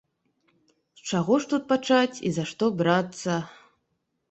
З чаго ж тут пачаць і за што брацца?